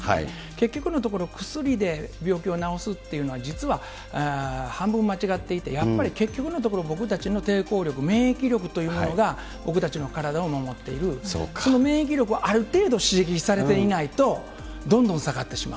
結局のところ、薬で病気を治すって、実は半分間違っていて、やっぱり結局のところ、僕たちの抵抗力、免疫力というものが、僕たちの体を守っている、この免疫力はある程度、刺激されていないと、どんどん下がってしまう。